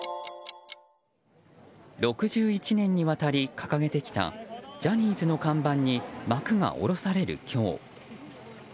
６１年にわたり掲げてきたジャニーズの看板に幕が下ろされる今日。